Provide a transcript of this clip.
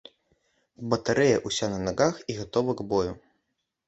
Батарэя ўся на нагах і гатова к бою.